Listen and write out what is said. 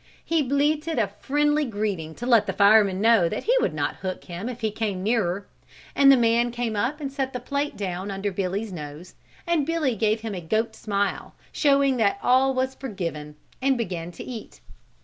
He bleated a friendly greeting to let the fireman know that he would not hook him if he came nearer and the man came up and set the plate down under Billy's nose and Billy gave him a goat smile showing that all was forgiven and began to eat.